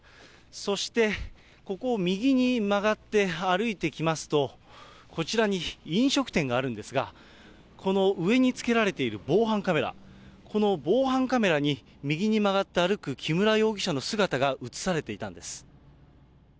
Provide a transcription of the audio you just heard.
そして、ここを右に曲がって歩いてきますと、こちらに飲食店があるんですが、この上につけられている防犯カメラ、この防犯カメラに、右に曲がって歩く木村容疑者の姿が写されていたんです。